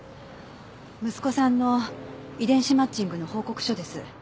息子さんの遺伝子マッチングの報告書です。